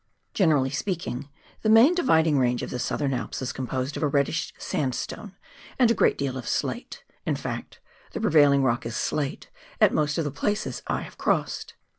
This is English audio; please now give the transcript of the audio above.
Generally speaking, the main Dividing Range of the Southern Alps is composed of a reddish sandstone, and a great deal of slate — in fact, the prevailing rock is slate, at most of the places I have crossed.